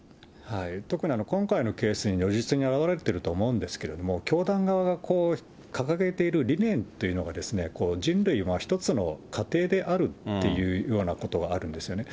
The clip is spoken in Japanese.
特に今回のケースに如実に表れていると思うんですけれども、教団側が掲げている理念っていうのが、人類は一つの家庭であるっていうようなことがあるんですよね。